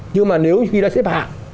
nhưng mà nếu khi đã xếp hạng